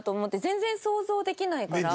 全然想像できないから。